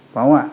phải không ạ